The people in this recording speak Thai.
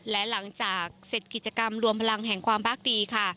และหลังจากเสร็จกิจกรรมรวมพลังแห่งความพักดีค่ะ